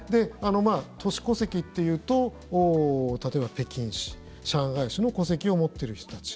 都市戸籍というと例えば、北京市、上海市の戸籍を持っている人たち。